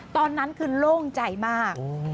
ตอนนั้นคือโล่งใจมาก